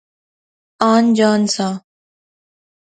آن جان سا